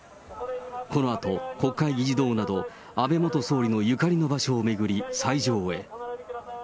このあと国会議事堂など、安倍元総理のゆかりの場所を巡り、斎場へ。